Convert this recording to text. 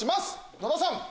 野田さん！